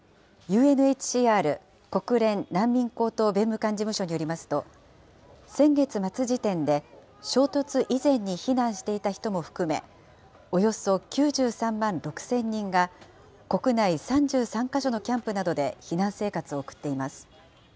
ＵＮＨＣＲ・国連難民高等弁務官事務所によりますと、先月末時点で、衝突以前に避難していた人も含め、およそ９３万６０００人が、国内３３か所のキャンプなどで避難生活を送っています。